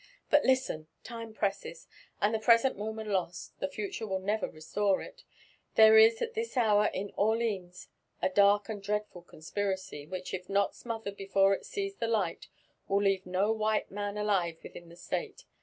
'* But listen! Time presses; and the present moment lost, the future will never restore it. There is at Ihis hour in Orleans a dark and dreadful conspiracy, which if not smothered t>efore it sees (he light, will leave no white man alive within the State.